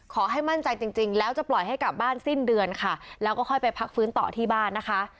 ขอให้มั่นใจจริงแล้วจะปล่อยให้กลับบ้านสิ้นเดือนค่ะแล้วก็ค่อยไปพักฟื้นต่อที่บ้านนะคะ